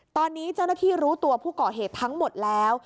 ตอนนี้เจ้าหน้าที่รู้ตัวผู้ก่อเหตุทั้งหมดแล้ว